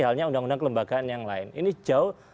halnya undang undang kelembagaan yang lain ini jauh